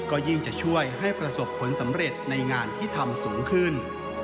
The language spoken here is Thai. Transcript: ก็ยิ่งจะช่วยให้ประสบผลสำเร็จในงานที่ทำสูงขึ้น